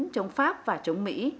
chống pháp và chống mỹ